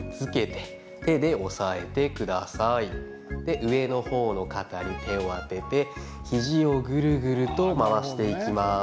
上の方の肩に手を当てて肘をグルグルと回していきます。